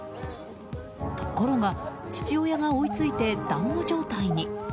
ところが、父親が追い付いて団子状態に。